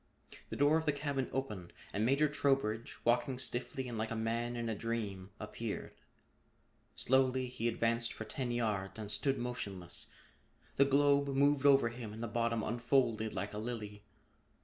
The door of the cabin opened and Major Trowbridge, walking stiffly and like a man in a dream, appeared. Slowly he advanced for ten yards and stood motionless. The globe moved over him and the bottom unfolded like a lily.